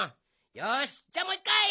よしじゃあもういっかい！